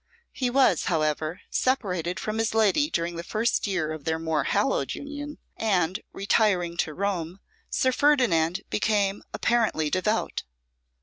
He was, however, separated from his lady during the first year of their more hallowed union, and, retiring to Rome, Sir Ferdinand became apparently devout.